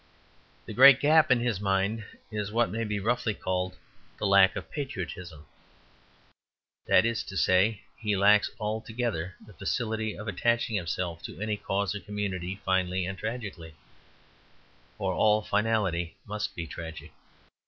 The great gap in his mind is what may be roughly called the lack of patriotism that is to say, he lacks altogether the faculty of attaching himself to any cause or community finally and tragically; for all finality must be tragic.